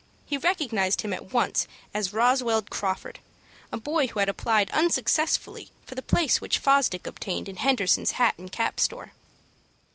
He recognized him at once as Roswell Crawford, a boy who had applied unsuccessfully for the place which Fosdick obtained in Henderson's hat and cap store.